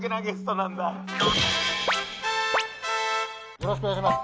よろしくお願いします